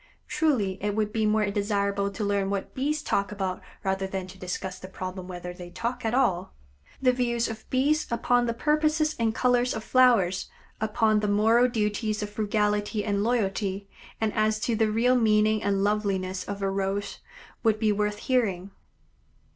Truly it would be more desirable to learn what Bees talk about rather than to discuss the problem whether they talk at all. The views of Bees upon the purposes and colors of flowers, upon the moral duties of frugality and loyalty, and as to the real meaning and lovliness of a Rose, would be worth hearing.